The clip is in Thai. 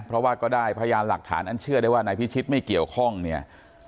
เพราะว่าก็ได้พยานหลักฐานอันเชื่อได้ว่านายพิชิตไม่เกี่ยวข้องเนี่ย